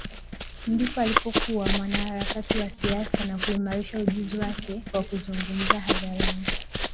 ndipo alipokuwa mwanaharakati wa siasa na kuimarisha ujuzi wake wa kuzungumza hadharani